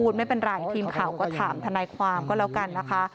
ไม่เป็นไรทีมข่าวก็ถามทนายความก็แล้วกันนะคะ